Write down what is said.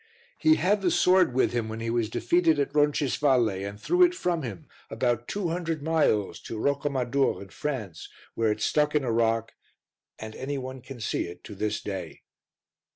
He had the sword with him when he was defeated at Roncisvalle and threw it from him, about two hundred miles, to Rocamadour in France where it stuck in a rock and any one can see it to this day.